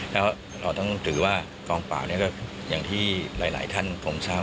แล้วเราต้องถือว่ากองเปล่าเนี่ยก็อย่างที่หลายท่านผมชาว